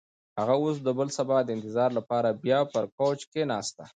هغه اوس د بل سبا د انتظار لپاره بیا پر کوچ کښېناسته.